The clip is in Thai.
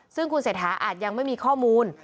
ซึ่งคุณเศรษฐาอาจยังไม่มีข้อมูล